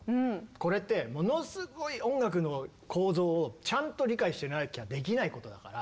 これってものすごい音楽の構造をちゃんと理解してなきゃできないことだから。